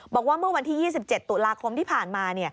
บอกว่าเมื่อวันที่๒๗ตุลาคมที่ผ่านมา